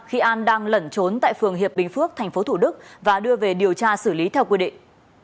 khi an đang lẩn trốn tại phường hiệp bình phước tp thủ đức và đưa về điều tra xử lý theo quy định